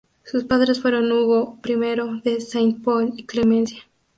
Sus padres fueron Hugo I de Saint Pol y Clemencia.